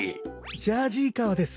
ジャージー川です。